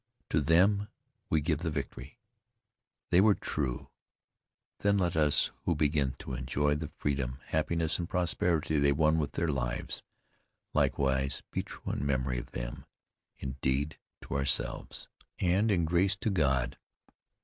To them we give the victory. They were true; then let us, who begin to enjoy the freedom, happiness and prosperity they won with their lives, likewise be true in memory of them, in deed to ourselves, and in grace to God."